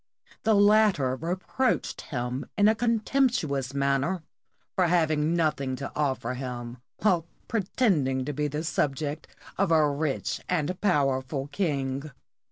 The latter reproached him in a contemptuous manner for having nothing to offer him, while pretend ing to be the subject of a rich and powerful king.